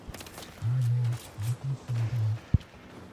یہ لو، بسنت کی مٹھائی۔